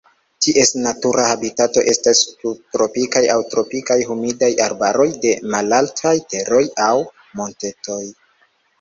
Ties natura habitato estas subtropikaj aŭ tropikaj humidaj arbaroj de malaltaj teroj aŭ montetoj.